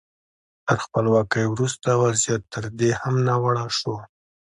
تر خپلواکۍ وروسته وضعیت تر دې هم ناوړه شو.